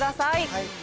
はい。